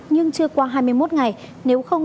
nhưng chưa qua hai mươi một ngày nếu không